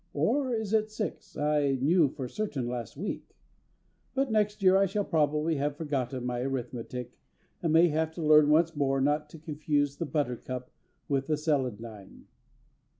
(Or is it six? I knew for certain last week.) But next year I shall probably have forgotten my arithmetic, and may have to learn once more not to confuse the buttercup with the celandine.